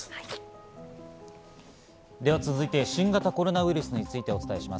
続いて新型コロナウイルスについてお伝えしていきます。